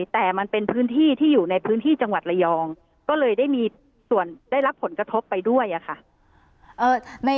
ที่อยู่ในพื้นที่จังหวัดระยองก็เลยได้รักผลกระทบไปด้วยค่ะ